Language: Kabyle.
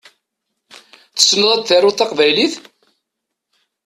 Tessneḍ ad taruḍ taqbaylit?